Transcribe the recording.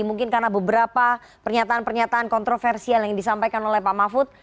mungkin karena beberapa pernyataan pernyataan kontroversial yang disampaikan oleh pak mahfud